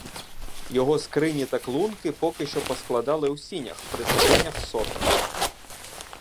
Його скрині та клунки поки що поскладали у сінях при скринях сотника.